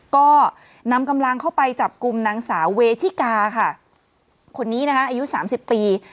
ก็นำกำลังเข้าไปจับกลุ่มนางสาวเวทิกาค่ะคนนี้นะคะอายุสามสิบปี